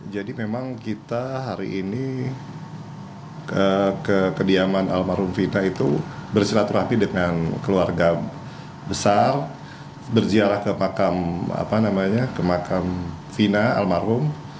jadi memang kita hari ini ke kediaman almarhum vina itu bersilaturahmi dengan keluarga besar berziarah ke makam vina almarhum